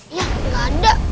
iya gak ada